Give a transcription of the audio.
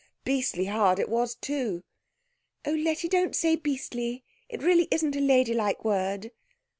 Beastly hard it was, too." "Oh, Letty, don't say beastly it really isn't a ladylike word."